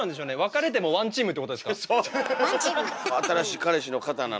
新しい彼氏の方なのかな